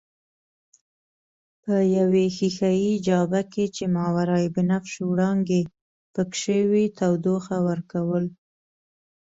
په یوې ښیښه یي جابه کې چې ماورابنفش وړانګې پکښې وې تودوخه ورکول.